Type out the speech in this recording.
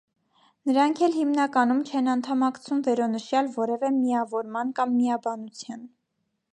Նրանք էլ հիմնականում չեն անդամակցում վերոնշյալ որևէ միավորման կամ միաբանության։